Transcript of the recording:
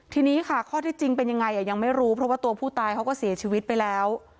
ทีนี้ค่ะข้อที่จริงเป็นยังไงยังไม่รู้เพราะว่าตัวผู้ตายเขาก็เสียชีวิตไปแล้ว